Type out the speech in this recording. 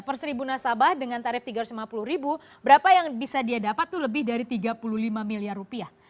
per seribu nasabah dengan tarif tiga ratus lima puluh ribu berapa yang bisa dia dapat itu lebih dari tiga puluh lima miliar rupiah